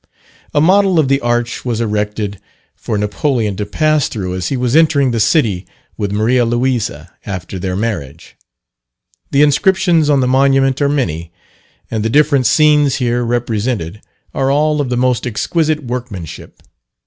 A model of the arch was erected for Napoleon to pass through as he was entering the city with Maria Louisa, after their marriage. The inscriptions on the monument are many, and the different scenes here represented are all of the most exquisite workmanship.